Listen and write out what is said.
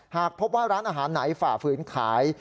หากพบว่าร้านอาหารไหนฝ่าฝืนขาย